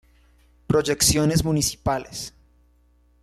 Proyecciones municipales.